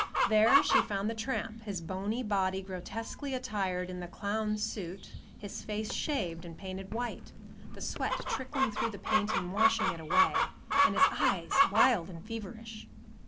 There she found the tramp, his bony body grotesquely attired in the clown's suit, his face shaved and painted white,—the sweat trickling through the paint and washing it away,—and his eyes wild and feverish.